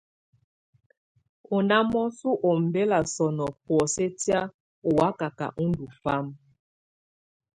Ɔ́ ná mɔ̀sɔ ú ɔmbɛ̀la sɔ̀nɔ̀ bɔ̀osɛ tɛ̀á ɔ́ wàkaka ú ndù fama.